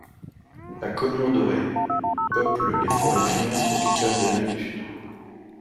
La Conure dorée peuple les forêts primaires tropicales d'Amérique du sud.